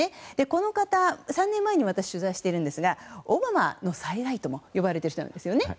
この方、３年前に私、取材しているんですがオバマの再来とも言われている人なんですよね。